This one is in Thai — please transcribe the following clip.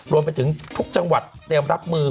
รวมไปถึงทุกจังหวัดเตรียมรับมือ